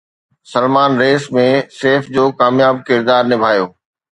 Salman race ۾ Saif جو ڪامياب ڪردار نڀايو